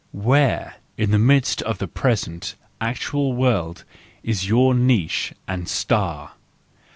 Where , in the midst of the present, actual world, is your niche and star